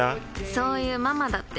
そういうママだって。